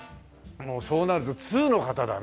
もうそうなると通の方だね。